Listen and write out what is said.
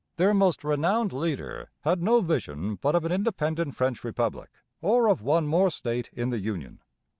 Their most renowned leader had no vision but of an independent French republic, or of one more state in the Union.